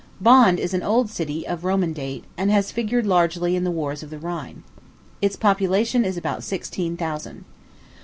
Bonn is an old city, of Roman date, and has figured largely in the wars of the Rhine. Its population is about sixteen thousand.